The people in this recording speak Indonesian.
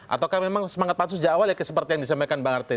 atau memang semangat pansus sejak awal seperti yang disampaikan bang artir